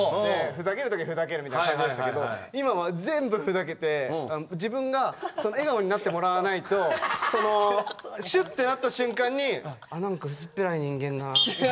ふざける時ふざけるみたいな感じでしたけど今は全部ふざけて自分が笑顔になってもらわないとシュッってなった瞬間に「あ何か薄っぺらい人間だな」みたいな。